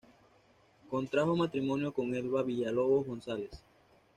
Contrajo matrimonio con Elba Villalobos González.